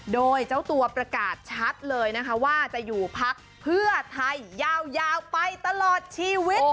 โดยเจ้าตัวประกาศชัดเลยนะคะว่าจะอยู่พักเพื่อไทยยาวไปตลอดชีวิต